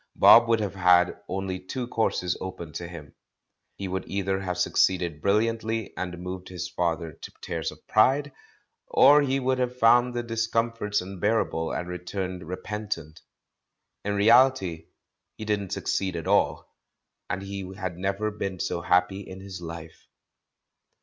Bob would have had only two courses open to him. He would either have succeeded brilliantly and moved his father to tears of pride, or he would have found the discomforts unbearable and returned repentant. In reality he didn't succeed at all, and he had never been so happj^ in his life.